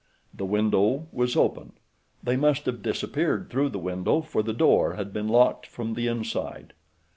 The window was open. They must have disappeared through the window for the door had been locked from the inside.